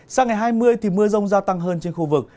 sang ngày hai mươi thì mưa rông gia tăng hơn trên khu vực